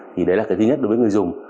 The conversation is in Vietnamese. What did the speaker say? thì đấy là cái thứ nhất đối với người dùng